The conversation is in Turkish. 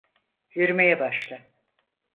Yürümeye başla.